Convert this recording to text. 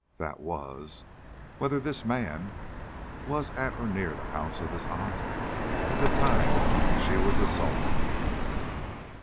That was, whether this young man was at or near the house of his aunt at the time when she was assaulted.